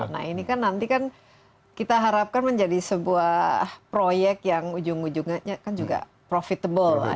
nah ini kan nanti kan kita harapkan menjadi sebuah proyek yang ujung ujungnya kan juga profitable lah